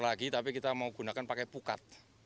lagi tapi kita mau gunakan pakai pukat